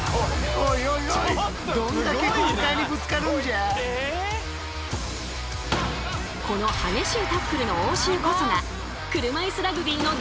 この激しいタックルの応酬こそが車いすラグビーのだいご味。